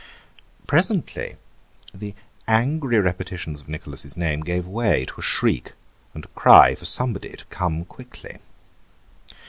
Presently the angry repetitions of Nicholas' name gave way to a shriek, and a cry for somebody to come quickly.